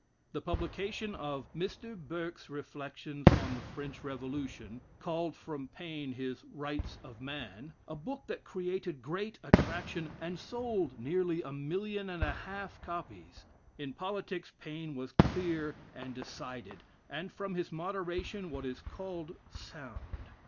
The publication of "Mr. Burke's Reflections on the French Revolution" called from Paine his "Rights of Man," a book that created great attraction, and sold nearly a million and a half of copies. In politics Paine was clear and decided, and, from his moderation, what is called "sound."